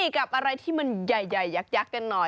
กับอะไรที่มันใหญ่ยักษ์กันหน่อย